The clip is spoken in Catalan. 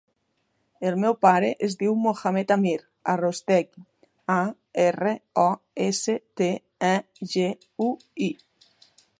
El meu pare es diu Mohamed amir Arostegui: a, erra, o, essa, te, e, ge, u, i.